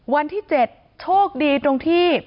วันที่๗โชคดีตรงที่